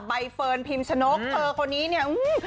ใบเฟิร์นพิมชนกเธอคนนี้เนี่ย